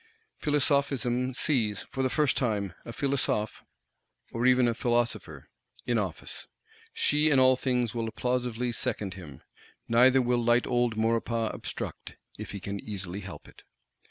Philosophism sees, for the first time, a Philosophe (or even a Philosopher) in office: she in all things will applausively second him; neither will light old Maurepas obstruct, if he can easily help it.